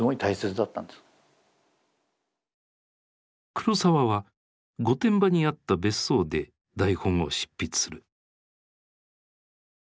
黒澤は御殿場にあった別荘で台本を執筆する。